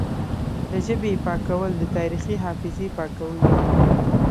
له ژبې یې پاکول د تاریخي حافظې پاکول دي